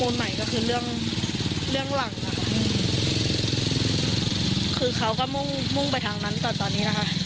เรื่องหลังอ่ะคือเขาก็มุ่งมุ่งไปทางนั้นตอนตอนนี้นะคะ